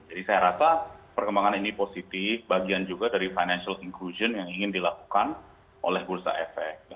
jadi saya rasa perkembangan ini positif bagian juga dari financial inclusion yang ingin dilakukan oleh bursa efek